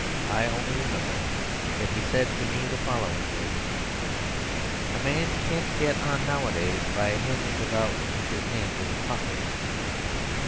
I only remember that he said to me the following words: "A man can't get on nowadays by hanging about with his hands in his pockets."